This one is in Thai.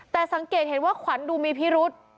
แต่สังเกตเห็นว่าขวัญดูมีพิรุษ